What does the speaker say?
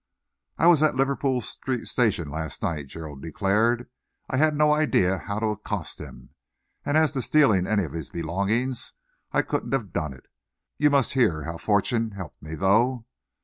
"I was at Liverpool Street Station last night," Gerald declared. "I had no idea how to accost him, and as to stealing any of his belongings, I couldn't have done it. You must hear how fortune helped me, though.